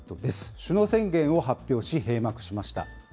首脳宣言を発表し、閉幕しました。